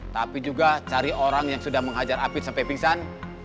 tapi juga cari orang yang sudah menghajar api sampai pingsan